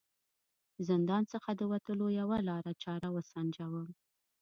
زندان څخه د وتلو یوه لاره چاره و سنجوم.